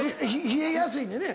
冷えやすいねんね。